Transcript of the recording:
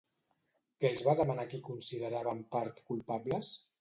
Què els va demanar a qui considerava en part culpables?